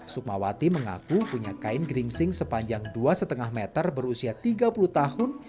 sukmawati mengaku punya kain geringsing sepanjang dua lima meter berusia tiga puluh tahun